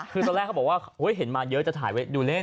คือตอนแรกเขาบอกว่าเห็นมาเยอะจะถ่ายไว้ดูเล่น